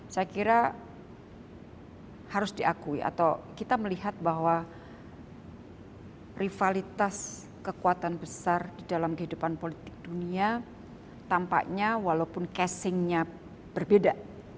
saya kira harus diakui atau kita melihat bahwa rivalitas kekuatan besar di dalam kehidupan politik dunia tampaknya walaupun casingnya berbeda